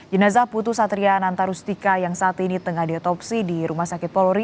jenazah putu satria antar rustika yang saat ini tengah diotopsi di rumah sakit polri